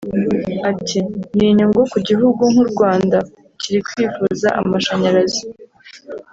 Ati “Ni inyungu ku gihugu nk’u Rwanda kiri kwifuza amashanyarazi